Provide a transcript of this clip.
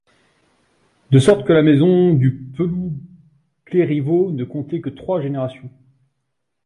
De sorte que la maison Du Peloux-Clérivaux ne comptait que trois générations.